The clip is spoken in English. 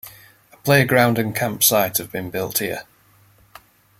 A playground and campsite have been built here.